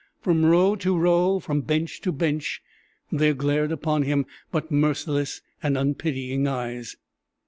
From row to row, from bench to bench, there glared upon him but merciless and unpitying eyes.